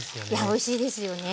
おいしいですよね。